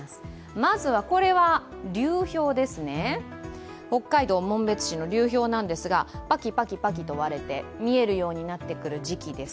まずこれは流氷です、北海道紋別市の流氷なんですが、パキパキと割れて見えるようになってくる時期です。